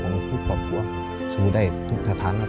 ขอโอกาสเชื้อนเพื่อนกับให้ทั้งคนว่าเราไปหาหัวครับ